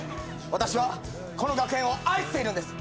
私はこの学園を愛しているんです。